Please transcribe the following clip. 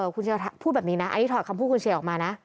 คุณเชียร์พูดแบบนี้นะอันนี้ถอดคำพูดคุณเชียร์ออกมานะ